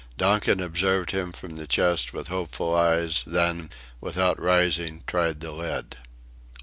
Donkin observed him from the chest with hopeful eyes; then, without rising, tried the lid.